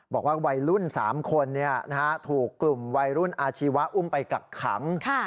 บอกว่าวัยรุ่น๓คนถูกกลุ่มวัยรุ่นอาชีวะอุ้มไปกักขัง